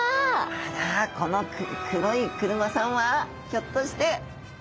あらこの黒い車さんはひょっとして！